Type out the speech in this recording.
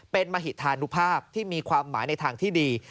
เป็นมหิธานุภาพที่มีความหมายในทางที่ดี